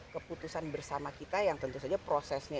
keputusan bersama kita yang tentu saja prosesnya